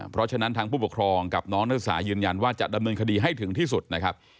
เพราะฉะนั้นทางผู้ปกครองกับน้องนักศึกษายืนยันว่าจะดำเนินคดีให้ถึงที่สุดนะครับ